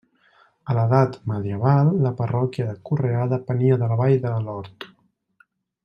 A l'edat medieval la parròquia de Correà depenia de la Vall de Lord.